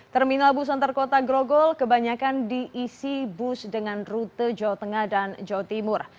terminal bus antar kota grogol kebanyakan diisi bus dengan rute jawa tengah dan jawa timur